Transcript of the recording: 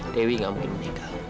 dewi gak mungkin meninggal